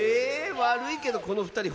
わるいけどこのふたり